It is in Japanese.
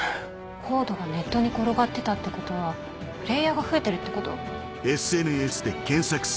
ＣＯＤＥがネットに転がってたってことはプレイヤーが増えてるってこと？